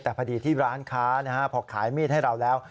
แต่พอดีที่ร้านค้าพอขายมีดให้เราแล้ว